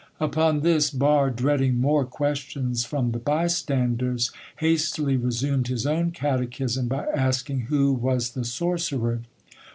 Upon this, Barre dreading more questions from the bystanders, hastily resumed his own catechism by asking who was the sorcerer.